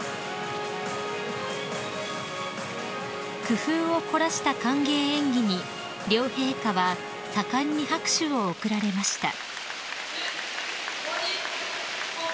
［工夫を凝らした歓迎演技に両陛下は盛んに拍手を送られました］